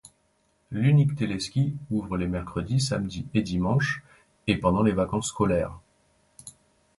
L'unique téléski ouvre les mercredis, samedis et dimanches, et pendant les vacances scolaires.